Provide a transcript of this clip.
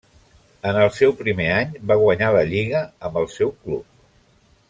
En el seu primer any va guanyar la Lliga amb el seu club.